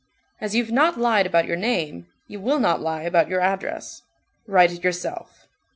As you have not lied about your name, you will not lie about your address. Write it yourself."